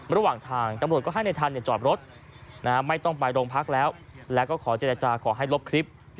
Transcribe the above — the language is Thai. ระหว่างทางตำรวจก็ให้ในทันจอดรถไม่ต้องไปโรงพักแล้วแล้วก็ขอเจรจาขอให้ลบคลิป